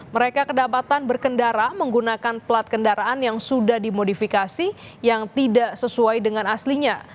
mereka kedapatan berkendara menggunakan plat kendaraan yang sudah dimodifikasi yang tidak sesuai dengan aslinya